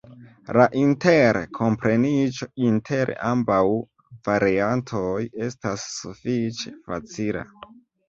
La interkompreniĝo inter ambaŭ variantoj estas sufiĉe facila.